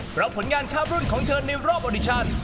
เพราะผลงานข้ามรุ่นของเธอในรอบออดิชัน